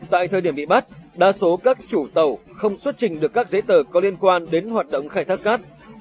tại thời điểm bị bắt đa số các chủ tàu không xuất trình được các giấy tờ có liên quan đến hoạt động khai thác cát